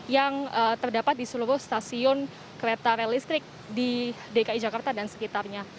yang terdapat di seluruh stasiun kereta relistrik di dki jakarta dan sekitarnya